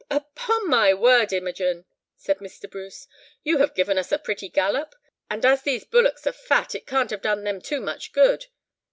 "Upon my word, Imogen!" said Mr. Bruce, "you have given us a pretty gallop, and as these bullocks are fat, it can't have done them much good.